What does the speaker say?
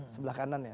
sebelah kanan ya